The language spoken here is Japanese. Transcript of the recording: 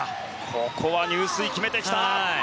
ここは入水決めてきた。